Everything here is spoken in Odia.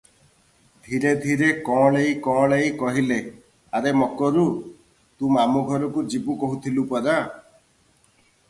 ଧୀରେ ଧୀରେ କଅଁଳେଇ କଅଁଳେଇ କହିଲେ, ଆରେ ମକରୁ! ତୁ ମାମୁଁ ଘରକୂ ଯିବୁ କହୁଥିଲୁ ପରା?